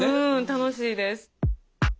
楽しいです。